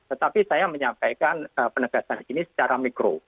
tetapi saya menyampaikan penegasan ini secara mikro